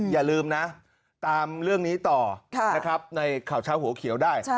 อย่าลืมนะตามเรื่องนี้ต่อนะครับในข่าวเช้าหัวเขียวได้